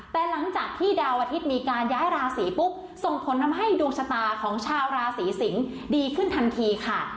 แต่หลังจากที่ดาวอาทิตย์มีการย้ายราศีปุ๊บส่งผลทำให้ดวงชะตาของชาวราศีสิงศ์ดีขึ้นทันทีค่ะ